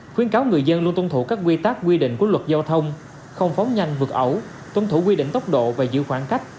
khuyến cáo người dân luôn tuân thủ các quy tắc quy định của luật giao thông không phóng nhanh vượt ẩu tuân thủ quy định tốc độ và giữ khoảng cách